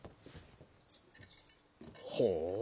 「ほう。